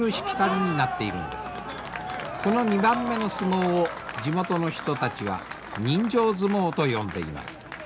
この２番目の相撲を地元の人たちは人情相撲と呼んでいます。